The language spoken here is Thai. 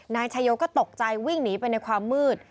นายชายโยก็ตกใจวิ่งหนีไปในความมืด